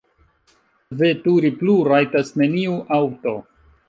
Veturi plu rajtas neniu aŭto.